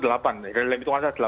dari lem itu ngasih delapan